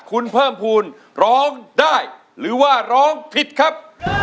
คุณเพิ่มภูมิร้องได้หรือว่าร้องผิดครับ